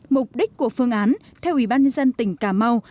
mục đích của phương án theo ủy ban nhân dân tỉnh cà mau